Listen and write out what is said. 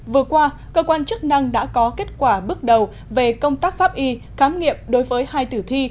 vừa qua cơ quan chức năng đã có kết quả bước đầu về công tác pháp y khám nghiệm đối với hai tử thi